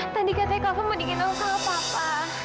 tadi katanya kava mau digendong sama kava